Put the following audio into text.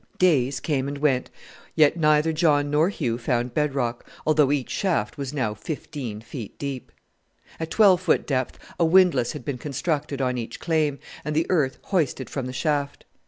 Days came and went; yet neither John nor Hugh found bed rock, although each shaft was now fifteen feet deep. At twelve foot depth a windlass had been constructed on each claim, and the earth hoisted from the shaft.